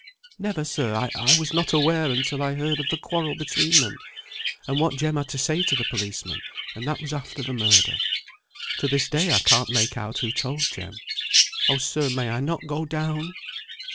"Never, sir. I was not aware until I heard of the quarrel between them, and what Jem had said to the policeman, and that was after the murder. To this day I can't make out who told Jem. Oh, sir, may not I go down?"